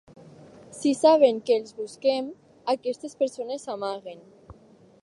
Si saben que els busquem, aquestes persones s'amaguen.